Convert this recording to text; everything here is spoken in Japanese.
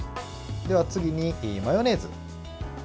では、次にマヨネーズ。